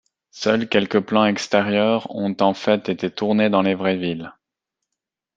Seul quelques plans extérieurs ont en fait été tournés dans les vraies villes.